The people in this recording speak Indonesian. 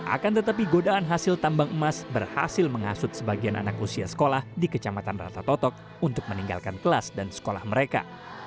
akan tetapi godaan hasil tambang emas berhasil mengasut sebagian anak usia sekolah di kecamatan ratatok untuk meninggalkan kelas dan sekolah mereka